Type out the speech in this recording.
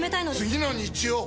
次の日曜！